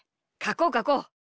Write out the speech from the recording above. こうかこう！